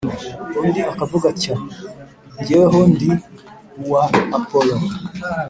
undi akavuga ati: Jyeweho ndi uwa Apolo;